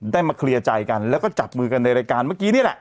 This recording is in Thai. มาเคลียร์ใจกันแล้วก็จับมือกันในรายการเมื่อกี้นี่แหละ